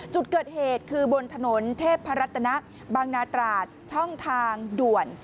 จุดเกิดเหตุคือบนถนนเทพรัตนะบางนาตราดช่องทางด่วน